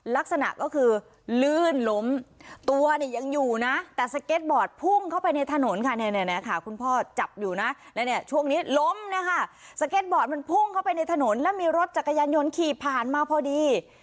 แล้วมีรถจักรยานยนต์ขี่ผ่านมาพอดี